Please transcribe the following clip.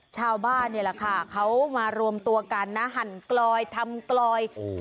ชาวบ้านนี่แหละค่ะเขามารวมตัวกันนะหั่นกลอยทำกลอยโอ้โห